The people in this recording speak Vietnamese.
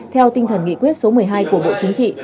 theo tinh thần nghị quyết số một mươi hai của bộ chính trị